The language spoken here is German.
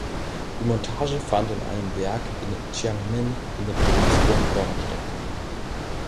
Die Montage fand in einem Werk in Jiangmen in der Provinz Guangdong statt.